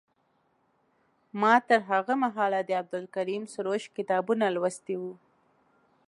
ما تر هغه مهاله د عبدالکریم سروش کتابونه لوستي وو.